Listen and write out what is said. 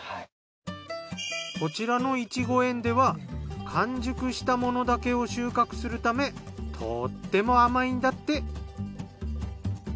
こちらのイチゴ園では完熟したものだけを収穫するためとっても甘いんだって。